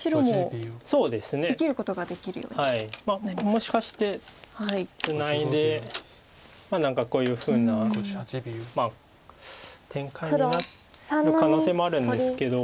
もしかしてツナいで何かこういうふうな展開になる可能性もあるんですけど。